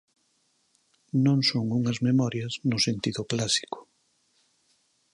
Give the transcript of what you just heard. Non son unhas memorias no sentido clásico.